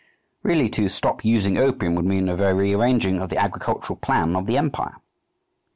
Really, to "stop using opium" would mean a very rearranging of the agricultural plan of the empire.